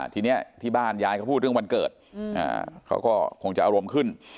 ทีนี้ที่บ้านยายเขาพูดเรื่องวันเกิดเขาก็คงจะอารมณ์ขึ้น